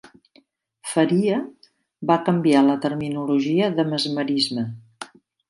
Faria va canviar la terminologia de mesmerisme.